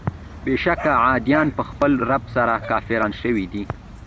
بېشکه عادیان په خپل رب سره کافران شوي دي.